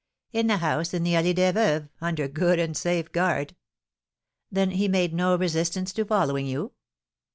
"In the house in the Allée des Veuves, under good and safe guard." "Then he made no resistance to following you?"